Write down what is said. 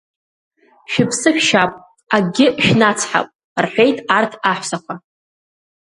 Шәыԥсы шәшьап, акгьы шәнацҳап, — рҳәеит арҭ аҳәсақәа.